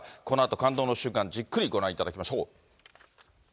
このあと感動の瞬間、じっくりご覧いただきましょう。